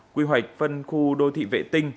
quy hoạch phân khu đô thị vệ tư